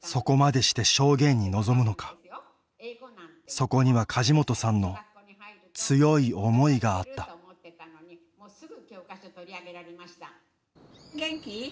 そこには梶本さんの強い思いがあった元気？